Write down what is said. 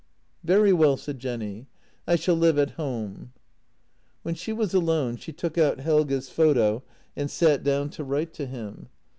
" Very well," said Jenny; " I shall live at home." When she was alone she took out Helge's photo and sat down to write to him.